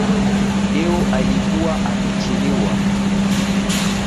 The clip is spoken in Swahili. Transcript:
Leo alikuwa amechelewa